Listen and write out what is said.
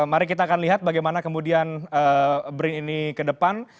mari kita akan lihat bagaimana kemudian brin ini kedepan